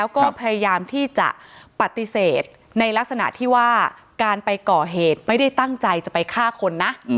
แล้วก็พยายามที่จะปฏิเสธในลักษณะที่ว่าการไปก่อเหตุไม่ได้ตั้งใจจะไปฆ่าคนนะ